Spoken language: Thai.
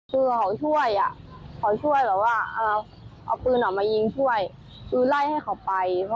คือขอช่วยขอช่วยเหรอว่า